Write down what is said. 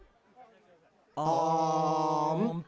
あん。